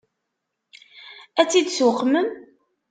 Ad tt-id-tuqmem?